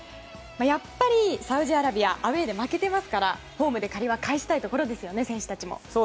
やっぱりサウジアラビアアウェーで負けていますからホームで借りは返したいところですよね、選手たちも。